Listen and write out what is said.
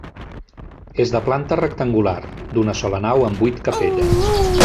És de planta rectangular, d'una sola nau amb vuit capelles.